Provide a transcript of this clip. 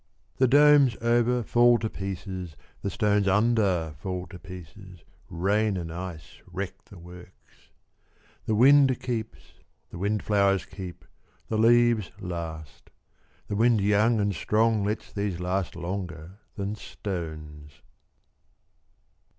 The domes over fall to pieces. The stones under fall to pieces. Rain and ice wreck the works. The wind keeps, the windflowers keep, the leaves last, The wind young and strong lets these last longer than stones.